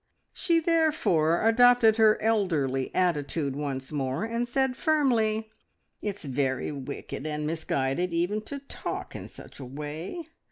She therefore adopted her elderly attitude once more, and said firmly "It's very wicked and misguided even to talk in such a way.